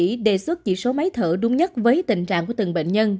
bác sĩ đề xuất chỉ số máy thở đúng nhất với tình trạng của từng bệnh nhân